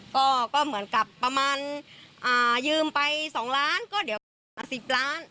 ก็ก็เหมือนกับประมาณอ่ายืมไปสองล้านก็เดี๋ยวนานสิบล้าน